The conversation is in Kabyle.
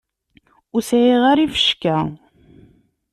Ur sɛiɣ ara ifecka.